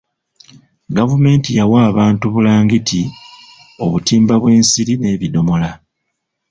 Gavumenti yawa abantu bulangiti, obutimba bw'ensiri n'ebidomola.